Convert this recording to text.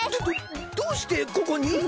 どどどうしてここに？